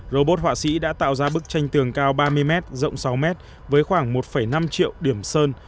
robot họa sĩ đã tạo ra bức tranh tường cao ba mươi m rộng sáu m với khoảng một năm triệu điểm sơn